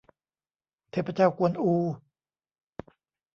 เทพเจ้ากวนอู